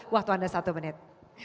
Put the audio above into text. waktu anda satu menit